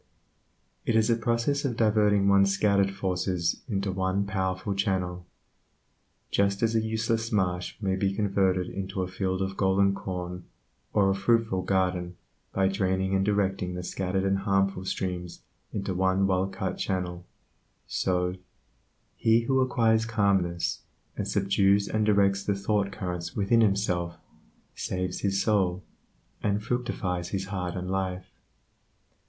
It is a process of diverting one's scattered forces into one powerful channel. Just as a useless marsh may be converted into a field of golden corn or a fruitful garden by draining and directing the scattered and harmful streams into one wellcut channel, so, he who acquires calmness, and subdues and directs the thoughtcurrents within himself, saves his soul, and fructifies his heart and life.